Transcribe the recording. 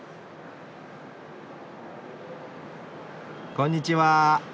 こんにちは。